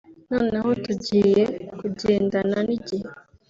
noneho tugiye kugendana n’igihe